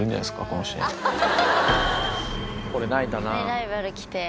ライバル来て。